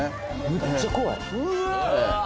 むっちゃ怖いうわ！